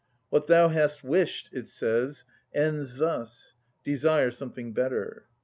"What thou hast wished," it says, "ends thus: desire something better."